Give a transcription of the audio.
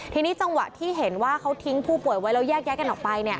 ทีนี้จังหวะที่เห็นว่าเขาทิ้งผู้ป่วยไว้แล้วแยกย้ายกันออกไป